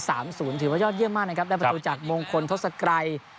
ถือว่ายอดเยี่ยมมากนะครับได้ประตูจากมงคลทศกรัย